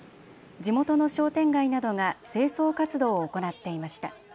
地元の商店街などが清掃活動を行っていました。